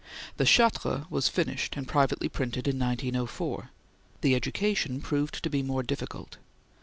The "Chartres" was finished and privately printed in 1904. The "Education" proved to be more difficult.